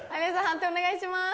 判定お願いします。